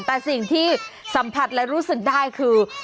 แต่สิ่งที่สัมผัสและรู้สึกได้คือ